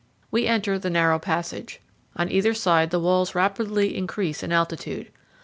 We enter the narrow passage. On either side the walls rapidly increase in altitude.